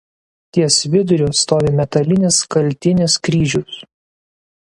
Ties viduriu stovi metalinis kaltinis kryžius.